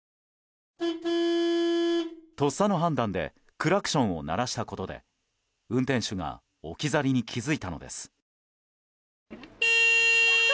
とっさの判断でクラクションを鳴らしたことで運転手が置き去りに気づいたのです。